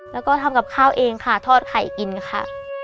แล้วก็ทำกับข้าวเองค่ะทอดไข่กินค่ะ